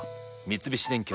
三菱電機